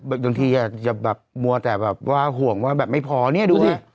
บางทีจะมัวแต่ว่าห่วงว่าไม่พอนี่ดูนี่